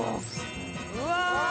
うわ。